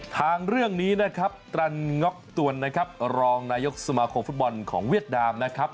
ทางเรื่องนี้นะครับตรันง็อกตวนนะครับรองนายกสมาคมฟุตบอลของเวียดนามนะครับ